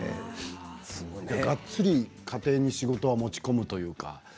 がっつり家庭に仕事を持ち込むというか。